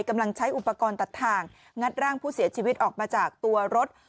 กำลังใช้อุปกรณ์ตัดทางงัดร่างผู้เสียชีวิตออกมาจากตัวรถ